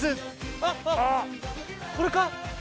あっ、これか？